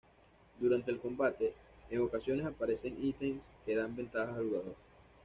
Durante el combate, en ocasiones aparecen ítems que dan ventajas al jugador.